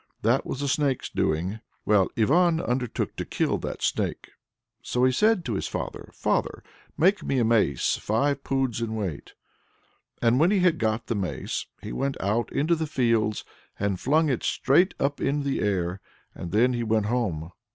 That was a Snake's doing. Well, Ivan undertook to kill that Snake, so he said to his father, "Father, make me a mace five poods in weight." And when he had got the mace, he went out into the fields, and flung it straight up in the air, and then he went home.